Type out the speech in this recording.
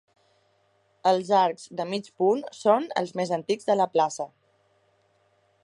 Els arcs de mig punt són els més antics de la plaça.